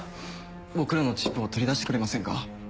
僕らのチップを取り出してくれませんか？